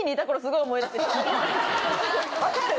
分かる。